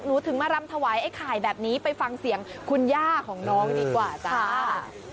ถึงมารำถวายไอ้ไข่แบบนี้ไปฟังเสียงคุณย่าของน้องดีกว่าจ้า